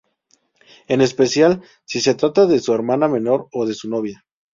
En especial si se trata de su hermana menor o de su novia.